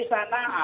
sana ada instruksi